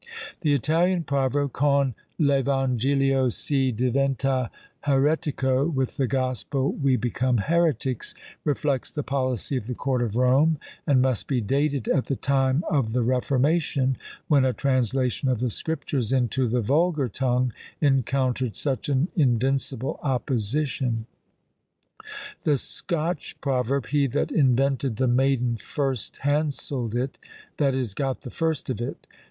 The Italian proverb, Con l'Evangilio si diventa heretico, "With the gospel we become heretics," reflects the policy of the court of Rome; and must be dated at the time of the Reformation, when a translation of the Scriptures into the vulgar tongue encountered such an invincible opposition. The Scotch proverb, He that invented the maiden first hanselled it; that is, got the first of it!